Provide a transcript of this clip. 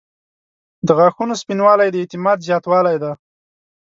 • د غاښونو سپینوالی د اعتماد زیاتوالی دی.